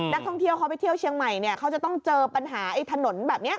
นักท่องเที่ยวเขาไปเที่ยวเชียงใหม่เนี่ยเขาจะต้องเจอปัญหาไอ้ถนนแบบนี้